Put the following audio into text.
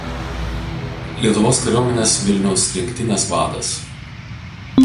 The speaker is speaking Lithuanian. Lietuvos kariuomenės Vilniaus rinktinės vadas.